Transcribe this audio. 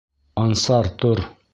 Ансар, тор!